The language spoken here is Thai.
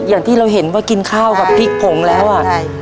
อย่างที่เราเห็นว่ากินข้าวกับพริกผงแล้วอ่ะใช่